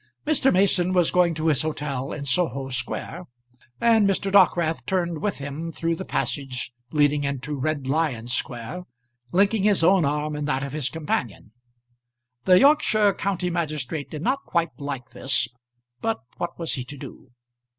Mr. Mason was going to his hotel in Soho Square, and Mr. Dockwrath turned with him through the passage leading into Red Lion Square, linking his own arm in that of his companion. The Yorkshire county magistrate did not quite like this, but what was he to do?